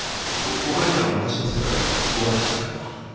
他には漏らしませんからご安心を。